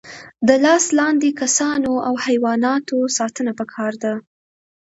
د لاس لاندې کسانو او حیواناتو ساتنه پکار ده.